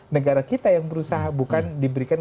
negara kita yang berusaha bukan diberikan